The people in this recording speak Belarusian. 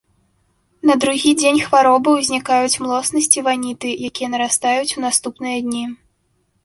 На другі дзень хваробы ўзнікаюць млоснасць і ваніты, якія нарастаюць у наступныя дні.